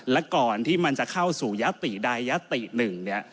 และก่อนที่มันจะเข้าสู่ยติใดยติหนึ่งเนี่ย